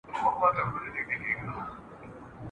ما مي د خضر په اوبو آیینه ومینځله ..